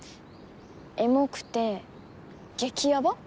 エモくて激やば？